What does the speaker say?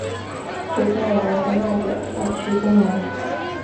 昨天我儿子闹着要去公园玩。